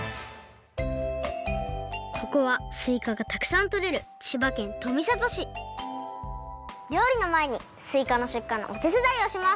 ここはすいかがたくさんとれる料理のまえにすいかのしゅっかのおてつだいをします！